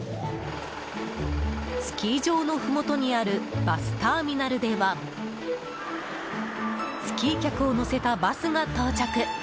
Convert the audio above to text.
スキー場のふもとにあるバスターミナルではスキー客を乗せたバスが到着。